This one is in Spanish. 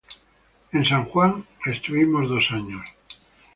En San Juan estuvimos dos años.